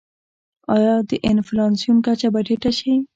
آیا د انفلاسیون کچه به ټیټه شي؟